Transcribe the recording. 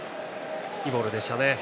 いいボールでしたね。